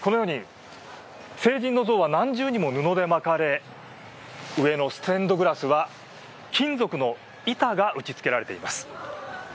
聖人の像が何重にも布で巻かれ上のステンドグラスは金属の板が打ち付けられています。